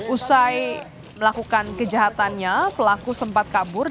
usai melakukan kejahatannya pelaku sempat kabur